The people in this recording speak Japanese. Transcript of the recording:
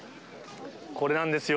これなんですよ。